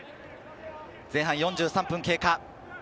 前半４３分経過。